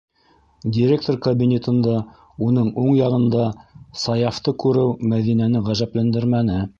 - Директор кабинетында, уның уң яғында, Саяфты күреү Мәҙинәне ғәжәпләндермәне.